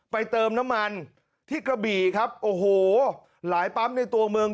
เติมน้ำมันที่กระบี่ครับโอ้โหหลายปั๊มในตัวเมือง